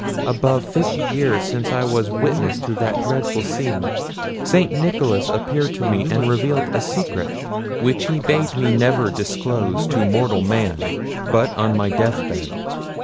above fifty years since I was witness to that dreadful scene! St. Nicholas appeared to me, and revealed a secret, which he bade me never disclose to mortal man, but on my death bed.